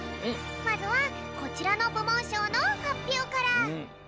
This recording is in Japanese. まずはこちらのぶもんしょうのはっぴょうから。